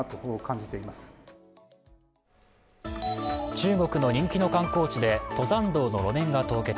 中国の人気の観光地で登山道の路面が凍結。